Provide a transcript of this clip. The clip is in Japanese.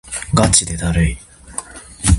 がちでだるい